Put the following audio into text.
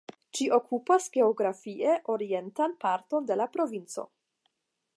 Ĝi okupas geografie orientan parton de la provinco.